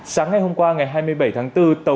sáng ngày hôm qua ngày hai mươi bảy tháng bốn tàu